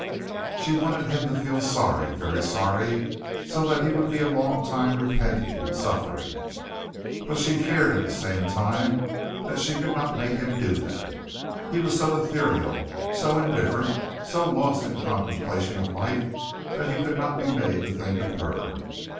She wanted him to feel sorry, very sorry, so that he would be a long time repenting in suffering, but she feared at the same time that she could not make him do that. He was so ethereal, so indifferent, so lost in the contemplation of life that he could not be made to think of her.